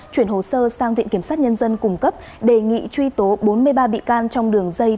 chuyển hồ sơ sang viện kiểm sát nhân dân cung cấp đề nghị truy tố bốn mươi ba bị can trong đường dây